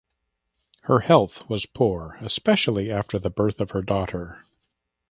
Her health was poor especially after the birth of her daughter.